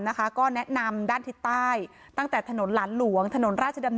นะคะก็แนะนำด้านทิศใต้ตั้งแต่ถนนหลานหลวงถนนราชดำเนิน